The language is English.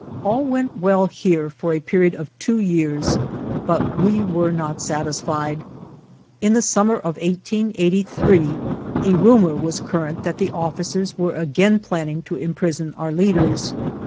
All went well here for a period of two years, but we were not satisfied. In the summer of 1883 a rumor was cur rent that the officers were again planning to imprison our leaders.